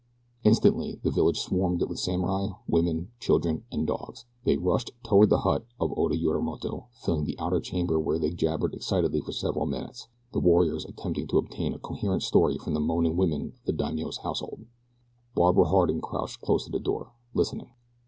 Instantly, the village swarmed with samurai, women, children, and dogs. They rushed toward the hut of Oda Yorimoto, filling the outer chamber where they jabbered excitedly for several minutes, the warriors attempting to obtain a coherent story from the moaning women of the daimio's household. Barbara Harding crouched close to the door, listening.